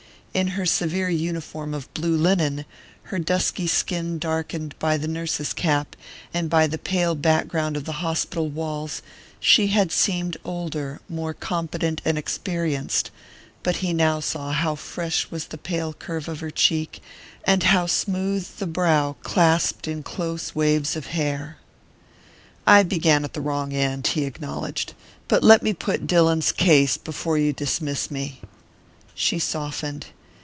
In her severe uniform of blue linen, her dusky skin darkened by the nurse's cap, and by the pale background of the hospital walls, she had seemed older, more competent and experienced; but he now saw how fresh was the pale curve of her cheek, and how smooth the brow clasped in close waves of hair. "I began at the wrong end," he acknowledged. "But let me put Dillon's case before you dismiss me." She softened.